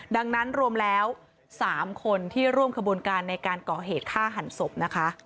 ดังนั้นรวมแล้ว๓คนที่ร่วมขบวนการในการก่อเหตุฆ่าหันศพนะคะ